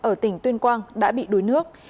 ở tỉnh tuyên quang đã bị đuối nước